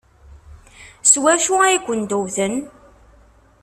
S wacu ay kent-wten?